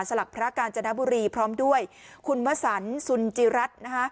สลักพระกาญจนบุรีพร้อมด้วยคุณมศรสุนจิรัตน์